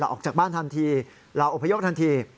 ออกจากบ้านทันทีเราอพยพทันที